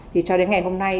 thì cho đến ngày hôm nay